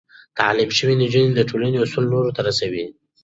تعليم شوې نجونې د ټولنې اصول نورو ته رسوي.